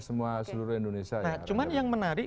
semua seluruh indonesia ya nah cuman yang menarik